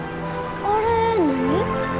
あれ何？